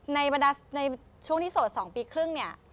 ในช่วงที่โสด๒ปีครึ่งเนี่ย